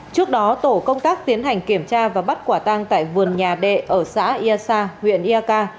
trước đó tổ công tác tiến hành kiểm tra và bắt quả tăng tại vườn nhà đệ ở xã ia sa huyện ia ca